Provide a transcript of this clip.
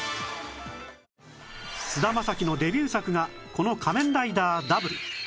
菅田将暉のデビュー作がこの『仮面ライダー Ｗ』